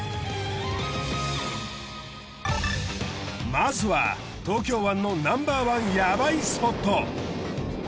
まずは東京湾のナンバーワンヤバいスポット。